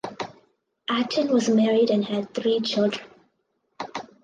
Aten was married and had three children.